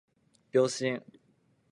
秒針